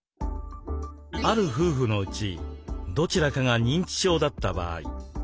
ある夫婦のうちどちらかが認知症だった場合。